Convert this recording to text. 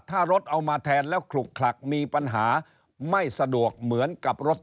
ถ้ารถเอามาแทนแล้วขลุกขลักมีปัญหาไม่สะดวกเหมือนกับรถ